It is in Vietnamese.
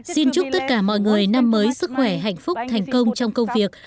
xin chúc tất cả mọi người năm mới sức khỏe hạnh phúc thành công trong công việc